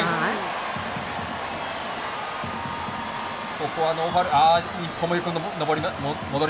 ここはノーファウル。